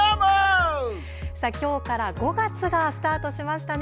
きょうから５月がスタートしました。